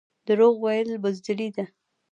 دروغ ویل بزدلي ده